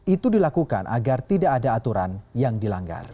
itu dilakukan agar tidak ada aturan yang dilanggar